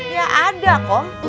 ya ada kong